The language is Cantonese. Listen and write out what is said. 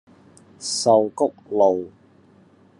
壽菊路